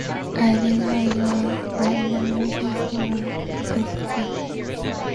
I didn't have a driver's licence or a vehicle.